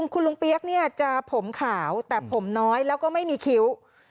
คุณลุงเปี๊ยกเนี่ยจะผมขาวแต่ผมน้อยแล้วก็ไม่มีคิ้ว